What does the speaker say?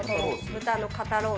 豚の肩ロース。